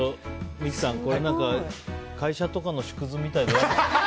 三木さんこれ会社とかの縮図みたいで。